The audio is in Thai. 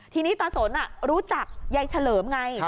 ทีนี้ตาสนรู้จักยายเฉลิมไง